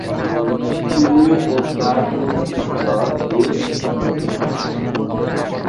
তিনি ও তার মন্ত্রিসভা দেশ চালান।